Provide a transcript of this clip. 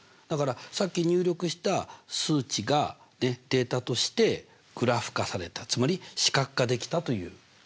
だからさっき入力した数値がデータとしてグラフ化されたつまり視覚化できたという。